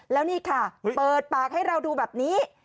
แล้วนี่ค่ะเปิดปากให้เราดูแบบนี้